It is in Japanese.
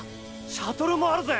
シャトルもあるぜ！